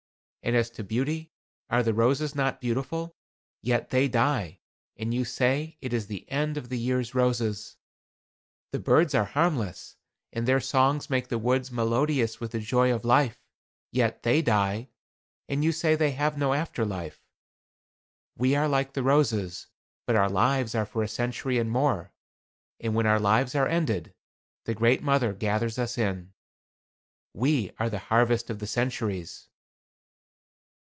"And as to beauty, are the roses not beautiful? Yet they die and you say it is the end of the year's roses. The birds are harmless, and their songs make the woods melodious with the joy of life, yet they die, and you say they have no after life. We are like the roses, but our lives are for a century and more. And when our lives are ended, the Great Mother gathers us in. We are the harvest of the centuries."